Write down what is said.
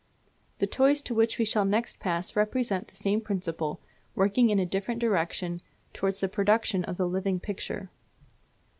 The toys to which we shall next pass represent the same principle working in a different direction towards the production of the living picture.